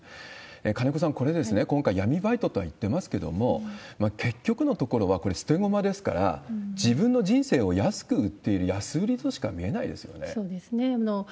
金子さん、これ、今回、闇バイトとは言ってますけども、結局のところは、これ、捨て駒ですから、自分の人生を安く売っている、そうですね。